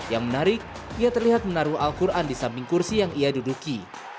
yang menarik ia terlihat menaruh al quran di samping kursi yang ia duduki